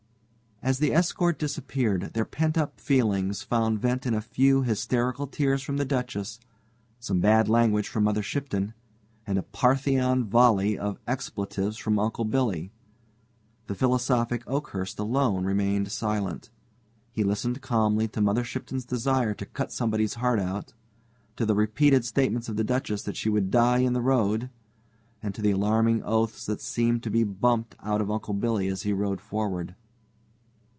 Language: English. As the escort disappeared, their pent up feelings found vent in a few hysterical tears from the Duchess, some bad language from Mother Shipton, and a Parthian volley of expletives from Uncle Billy. The philosophic Oakhurst alone remained silent. He listened calmly to Mother Shipton's desire to cut somebody's heart out, to the repeated statements of the Duchess that she would die in the road, and to the alarming oaths that seemed to be bumped out of Uncle Billy as he rode forward.